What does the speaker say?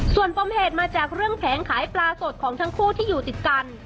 ส่วนปมเหตุมาจากเรื่องแผงขายปลาสดของทั้งคู่ที่อยู่ติดกัน